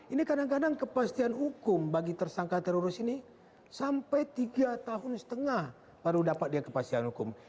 ini kadang kadang kepastian hukum bagi tersangka teroris ini sampai tiga tahun setengah baru dapat dia kepastian hukum